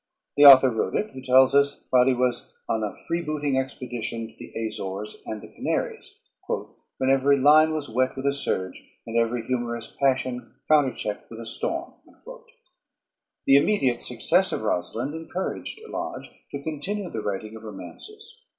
The author wrote it, he tells us, while he was on a freebooting expedition to the Azores and the Canaries, "when every line was wet with a surge, and every humorous passion counterchecked with a storm." The immediate success of "Rosalynde" encouraged Lodge to continue the writing of romances.